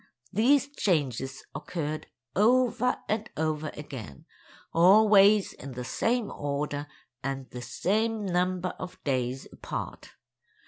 These changes occurred over and over again—always in the same order, and the same number of days apart.